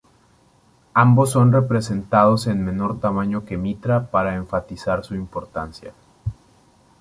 Ambos son representados en menor tamaño que Mitra para enfatizar su importancia.